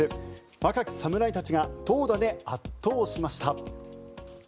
若き侍たちが投打で圧倒しました。